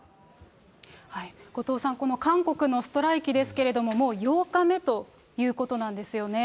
後藤さん、この韓国のストライキですけれども、もう８日目ということなんですよね。